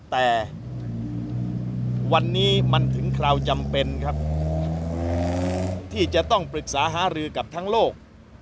แต่วันนี้มันถึงคราวจำเป็นครับที่จะต้องปรึกษาหารือกับทั้งโลก